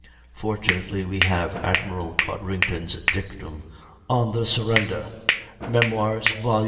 Fortunately we have Admiral Codrington's dictum on the surrender ("Memoirs," vol.